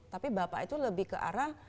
tapi bapak itu lebih ke arah